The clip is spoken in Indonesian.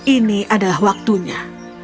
ini adalah waktunya